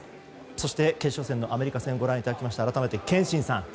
そして、決勝戦のアメリカ戦ご覧いただきましたが改めて憲伸さん